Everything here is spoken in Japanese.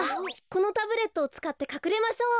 このタブレットをつかってかくれましょう。